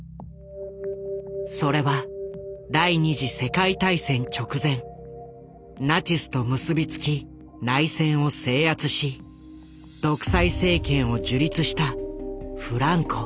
それは第２次世界大戦直前ナチスと結び付き内戦を制圧し独裁政権を樹立したフランコ。